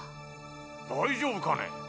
大丈夫かね？